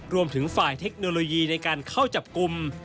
รวมถึงฝ่ายเทคโนโลยีในการเข้าจับกลุ่ม